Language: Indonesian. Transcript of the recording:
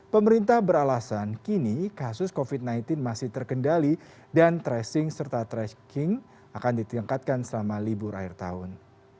pemerintah beralasan kini kasus covid sembilan belas masih terkendali dan tracing serta tracking akan ditingkatkan selama libur air tahun